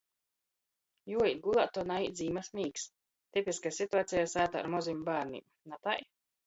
Juoīt gulātu, a naīt zīmys mīgs. Tipiska situaceja sātā ar mozim bārnim, na tai?